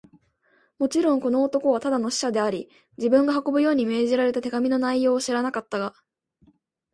もちろん、この男はただの使者であり、自分が運ぶように命じられた手紙の内容を知らなかったが、